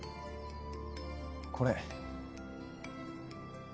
これ。